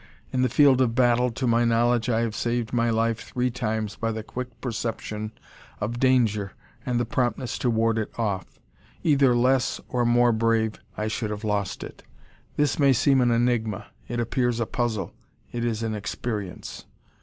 In the field of battle, to my knowledge, I have saved my life three times by the quick perception of danger and the promptness to ward it off. Either less or more brave, I should have lost it. This may seem an enigma; it appears a puzzle; it is an experience.